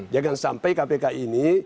jangan sampai kpk ini